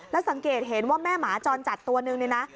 แล้วสังเกตเห็นว่าแม่หมาจรจัดตัวนึงเนี่ยนะ